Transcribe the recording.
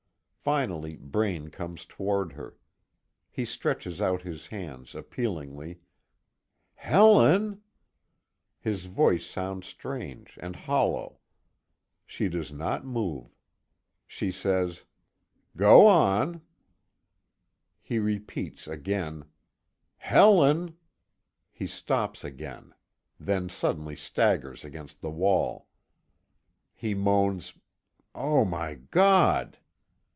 Finally, Braine comes toward her. He stretches out his hands appealingly: "Helen " His voice sounds strange and hollow. She does not move. She says: "Go on." He repeats again: "Helen " He stops again; then suddenly staggers against the wall. He moans: "Oh, my God!"